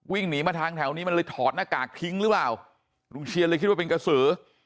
วิ่งหนีมาทางแถวนี้มันเลยถอดหน้ากากทิ้งหรือเปล่าลุงเชียนเลยคิดว่าเป็นกระสือ